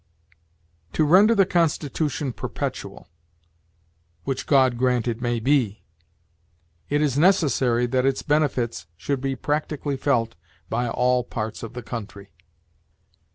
"To render the Constitution perpetual which God grant it may be! it is necessary that its benefits should be practically felt by all parts of the country."